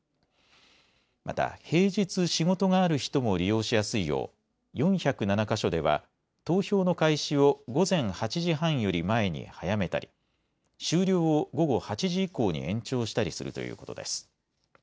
また平日、仕事がある人も利用しやすいよう４０７か所では投票の開始を午前８時半より前に早めたり終了を午後８時以降に延長したりするということです。